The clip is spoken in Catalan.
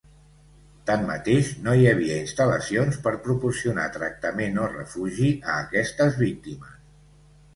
Tanmateix, no hi havia instal·lacions per proporcionar tractament o refugi a aquestes víctimes.